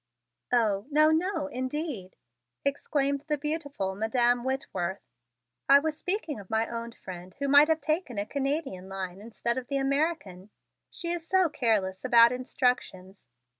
"Oh, no, no, indeed!" exclaimed the beautiful Madam Whitworth. "I was speaking of my own friend who might have taken a Canadian line instead of the American. She is so careless about instructions.